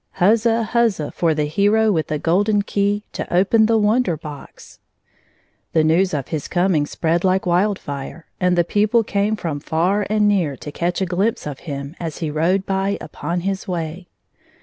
" Huzza ! huzza ! for the hero with the golden key to open the Wonder Box I " The news of his coming spread Kke wild fire, and people came from far and near to catch a glimpse of him as he rode by upon his way.